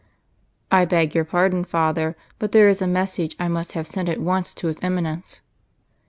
"I beg your pardon, Father; but there is a message I must have sent at once to his Eminence."